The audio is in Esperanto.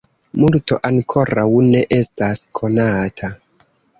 Multo ankoraŭ ne estas konata.